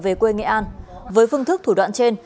về quê nghệ an với phương thức thủ đoạn trên